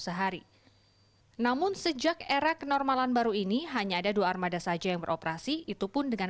sehari namun sejak era kenormalan baru ini hanya ada dua armada saja yang beroperasi itu pun dengan